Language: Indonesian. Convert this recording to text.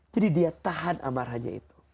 jadi dia tahan amarahnya itu